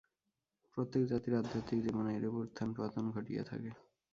প্রত্যেক জাতির আধ্যাত্মিক জীবনে এইরূপ উত্থান পতন ঘটিয়া থাকে।